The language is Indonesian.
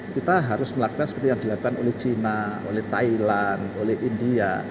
kita harus melakukan seperti yang dilakukan oleh china oleh thailand oleh india